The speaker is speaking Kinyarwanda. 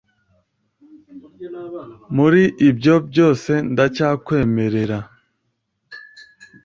Muri ibyo byose ndacyakwemerera